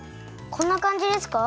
こんなかんじですか？